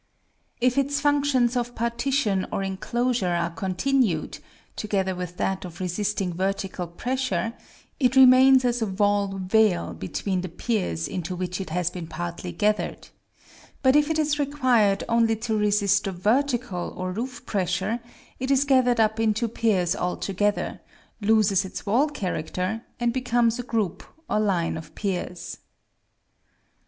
If its functions of partition or enclosure are continued, together with that of resisting vertical pressure, it remains as a wall veil between the piers into which it has been partly gathered; but if it is required only to resist the vertical or roof pressure, it is gathered up into piers altogether, loses its wall character, and becomes a group or line of piers.